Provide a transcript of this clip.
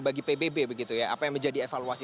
bagi pbb begitu ya apa yang menjadi evaluasi